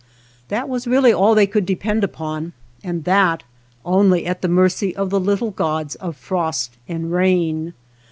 That was really all they could depend upon, and that only at the mercy of the little gods of frost and rain.